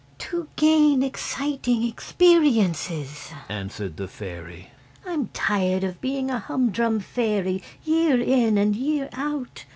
"To gain exciting experiences," answered the fairy. "I'm tired of being a humdrum fairy year in and year out.